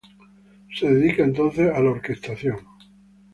Se dedica entonces a la orquestación.